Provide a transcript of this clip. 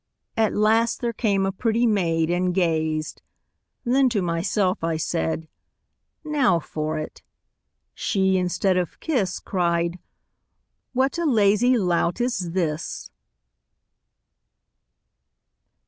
At last there came a pretty maid, And gazed; then to myself I said, 'Now for it!' She, instead of kiss, Cried, 'What a lazy lout is this!'